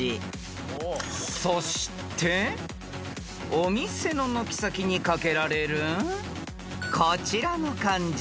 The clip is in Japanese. ［そしてお店の軒先にかけられるこちらの漢字］